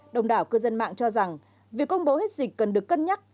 đồng đảo cư dân mạng cho rằng việc công bố hết dịch cần được cân nhắc